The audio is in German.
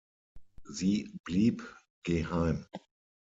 Sie blieb geheim.